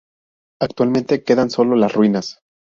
Actualmente, quedan sólo las ruinas.